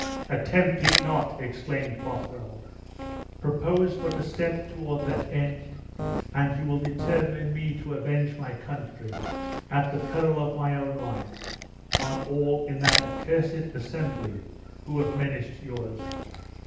"Attempt it not!" exclaimed Bothwell; "propose but a step toward that end, and you will determine me to avenge my country, at the peril of my own life, on all in that accursed assembly who have menaced yours!"